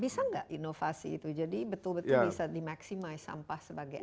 bisa nggak inovasi itu jadi betul betul bisa dimaksimai sampah sebagai